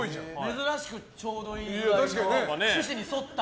珍しく、ちょうどいい趣旨に沿った。